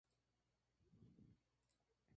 No le gustaba nada ir a ese tugurio de mala muerte